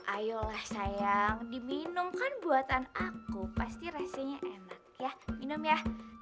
ayolah sayang diminum kan buatan aku pasti rasanya enak ya minum ya